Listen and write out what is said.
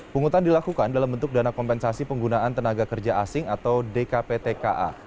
penghutan dilakukan dalam bentuk dana kompensasi penggunaan tenaga kerja asing atau dkptka